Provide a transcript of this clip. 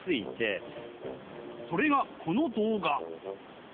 それがこの動画。